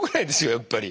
やっぱり。